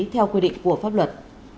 theo quy định của pháp luật